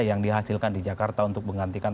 yang dihasilkan di jakarta untuk menggantikan